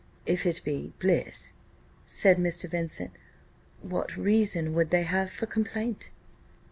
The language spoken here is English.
"If it be bliss," said Mr. Vincent, "what reason would they have for complaint?"